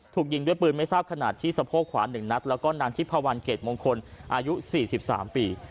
ถูกยิงด้วยปืนไม่ทราบขนาดที่สะโพกขวา๑นัดแล้วก็นางทิพวันเกรดมงคลอายุ๔๓ปี